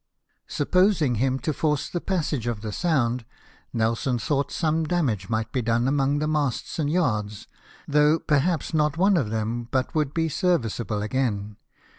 Supposing him to force the passage of the Sound, Nelson thought some damage might be done among the masts and yards ; though, perhaps, not one of them but would be serviceable again.